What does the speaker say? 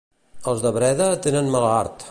Els de Breda tenen mala art.